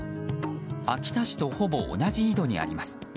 秋田市とほぼ同じ緯度にあります。